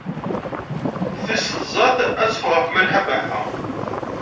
Tis tẓat ad teffeɣ ɣef Malḥa Baḥa?